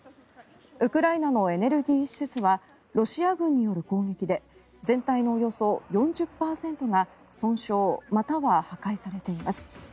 ウクライナのエネルギー施設はロシア軍による攻撃で全体のおよそ４０％が損傷または破壊されています。